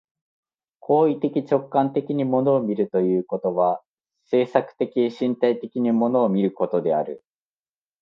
行為的直観的に物を見るということは、制作的身体的に物を見ることである。